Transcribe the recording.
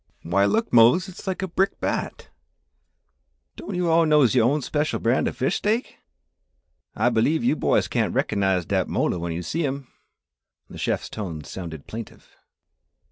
"Why, look, Mose, it's like a brick bat!" "Don' you all knows yu' own spechul brand o' fish steak? Ah b'lieve yuh boys caint rekernise dat mola when you'se see him!" And the chef's tones sounded plaintive.